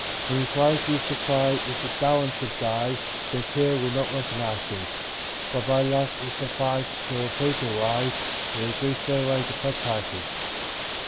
And his wife used to cry, "If the darlin' should die Saint Peter would not recognise him." But by luck he survived till a preacher arrived, Who agreed straightaway to baptise him.